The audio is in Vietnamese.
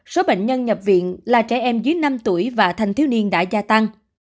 số bệnh nhân nhập viện là trẻ em dưới năm tuổi và thanh thiếu niên đã gia tăng